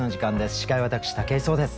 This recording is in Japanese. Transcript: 司会は私武井壮です。